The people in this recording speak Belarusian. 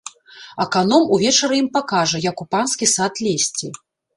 Аканом увечары ім пакажа, як у панскі сад лезці.